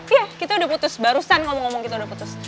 iya kita udah putus barusan ngomong ngomong kita udah putus